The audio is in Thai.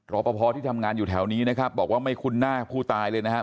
รอปภที่ทำงานอยู่แถวนี้นะครับบอกว่าไม่คุ้นหน้าผู้ตายเลยนะครับ